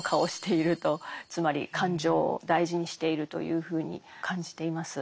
つまり感情を大事にしているというふうに感じています。